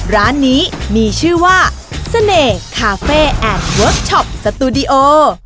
ร้านนี้มีชื่อว่าเสน่ห์คาเฟ่แอดเวิร์ชช็อปสตูดิโอ